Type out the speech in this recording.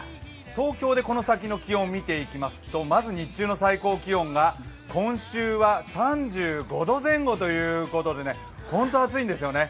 東京でこの先の気温を見ていきますと、まず日中の最高気温が今週は３５度前後ということでほんと暑いんですよね。